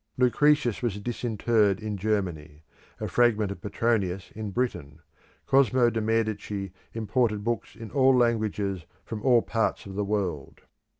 Lucretius was disinterred in Germany; a fragment of Petronius in Britain. Cosmo de' Medici imported books in all languages from all parts of the world.